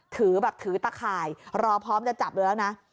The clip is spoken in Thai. ถือแบบถือตะข่ายรอพร้อมจะจับเลยแล้วนะ